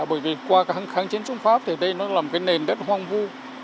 bởi vì qua các kháng chiến trung pháp thì đây nó là một cái nền đất hoàng vu